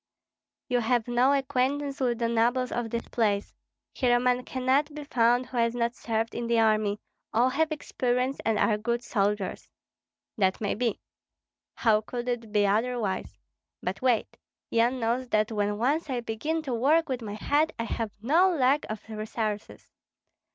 "You have no acquaintance with the nobles of this place. Here a man cannot be found who has not served in the army; all have experience and are good soldiers." "That may be." "How could it be otherwise? But wait! Yan knows that when once I begin to work with my head I have no lack of resources.